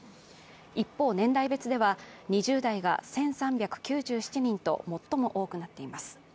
一方、年代別では２０代が１３９７人と最も多くなっています。